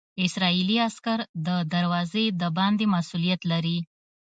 اسرائیلي عسکر د دروازې د باندې مسوولیت لري.